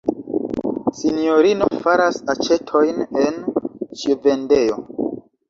Sinjorino faras aĉetojn en ĉiovendejo.